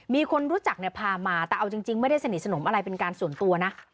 มีคนรู้จักเนี่ยพามาแต่เอาจริงไม่ได้สนิทสนมอะไรเป็นการส่วนตัวนะ